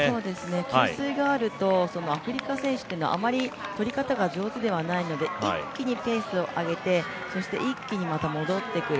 給水があるとアフリカ選手っていうのはあまり取り方が上手ではないので一気にペースを上げて、一気にまた戻ってくる。